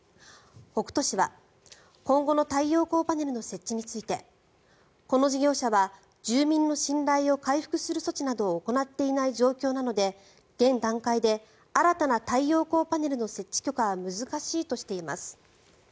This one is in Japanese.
北杜市は、今後の太陽光パネルの設置についてこの事業者は住民の信頼を回復する措置などを行っていない状況なので現段階で新たな太陽光パネルの設置許可は難しいとしています。